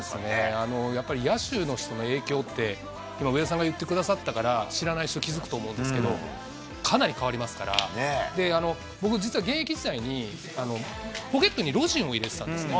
やっぱり野手の人の影響って、今、上田さんが言ってくださったから、知らない人、気付くと思うんですけど、かなり変わりますから、僕、実は現役時代にポケットにロジンを入れてたんですよ。